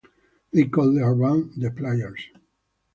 They call their band "The Players".